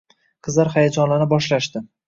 Qizlar hayajonlana boshlashdi